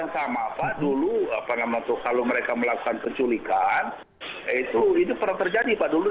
kalau kasus yang sama pak dulu kalau mereka melakukan penculikan itu pernah terjadi pak dulu